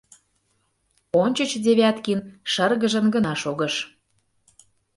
Ончыч Девяткин шыргыжын гына шогыш.